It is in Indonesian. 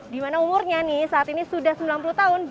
di mana umurnya saat ini sudah sembilan puluh tahun